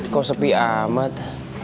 kok sepi amat